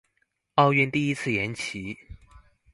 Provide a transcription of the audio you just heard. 奧運第一次延期